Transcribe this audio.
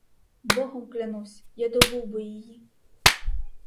Богом клянусь, я добув би її.